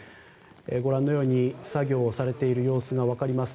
ご覧のように作業をされている様子が分かります。